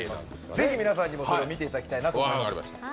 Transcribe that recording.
ぜひ皆さんにもそれを見ていただきたいなと思いました。